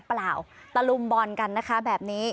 เปล่าตะลุมบอลกันนะคะแบบนี้